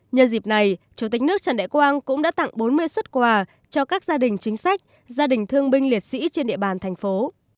nhân dịp này chủ tịch nước trần đại quang cũng đã tặng bốn mươi xuất quà cho các gia đình chính sách gia đình thương binh liệt sĩ trên địa bàn thành phố